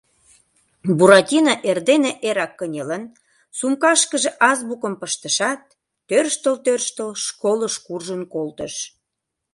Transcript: Буратино эрдене эрак кынелын, сумкашкыже азбукым пыштышат, тӧрштыл-тӧрштыл школыш куржын колтыш.